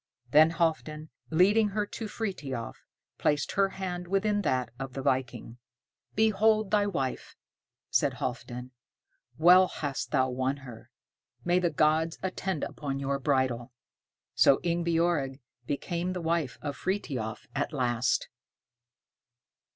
Then Halfdan, leading her to Frithiof, placed her hand within that of the viking. "Behold thy wife," said Halfdan. "Well hast thou won her. May the gods attend upon your bridal." So Ingebjorg became the wife of Frithiof at last.